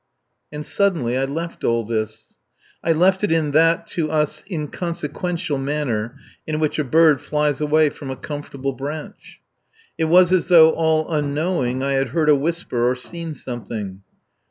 And suddenly I left all this. I left it in that, to us, inconsequential manner in which a bird flies away from a comfortable branch. It was as though all unknowing I had heard a whisper or seen something.